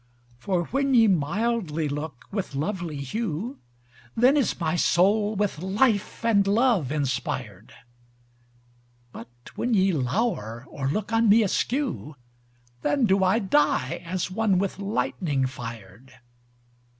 For when ye mildly look with lovely hew, Then is my soul with life and love inspired But when ye lour, or look on me askew, Then do I die, as one with lightning fired.